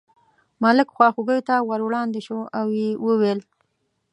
ملک خواخوږۍ ته ور وړاندې شو او یې وویل.